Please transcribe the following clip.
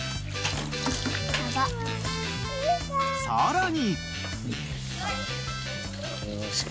［さらに］